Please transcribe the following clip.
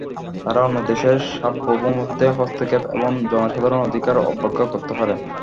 তারা অন্য দেশের সার্বভৌমত্বে হস্তক্ষেপ এবং জনসাধারণের অধিকার অবজ্ঞা করতে পারে।